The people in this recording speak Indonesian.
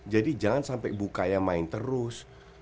jadi jangan sampai bukaya main terus